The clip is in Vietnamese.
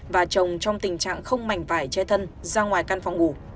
và chồng trong tình trạng không mảnh vải che thân ra ngoài căn phòng ngủ